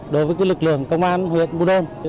đối với lực lượng công an huyện buôn đôn